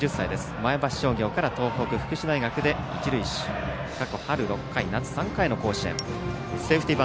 前橋商業から東北福祉大学で一塁手過去は春６回、夏３回の甲子園。